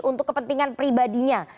untuk kepentingan pribadinya